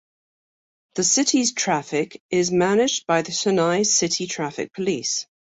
The city's traffic is managed by the Chennai City Traffic Police.